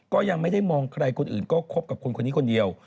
ก็ยังไม่ได้มองใครคนอื่นก็คบกับคนคนนี้คนเดียว